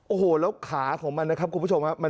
โอ้โหแล้วขาของมันนะครับคุณผู้ชมครับ